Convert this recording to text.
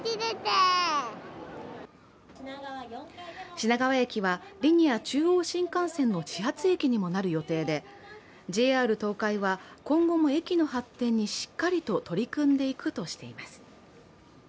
品川駅はリニア中央新幹線の始発駅にもなる予定でＪＲ東海は今後も駅の発展にしっかりと取り組んでいくとしています。